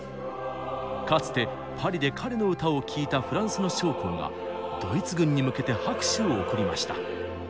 かつてパリで彼の歌を聴いたフランスの将校がドイツ軍に向けて拍手を送りました。